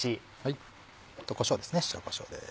こしょうですね白こしょうです。